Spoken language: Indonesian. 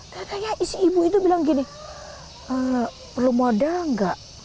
tentunya ibu itu bilang gini perlu modal nggak